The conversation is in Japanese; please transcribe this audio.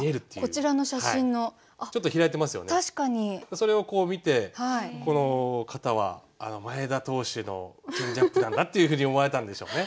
それを見てこの方は前田投手のチェンジアップなんだっていうふうに思われたんでしょうね。